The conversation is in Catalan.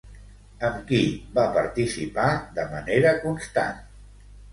Amb qui va participar de manera constant?